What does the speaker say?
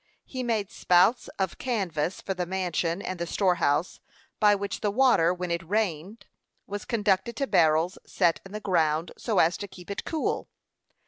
He made spouts of canvas for the "mansion" and the storehouse, by which the water, when it rained, was conducted to barrels set in the ground, so as to keep it cool.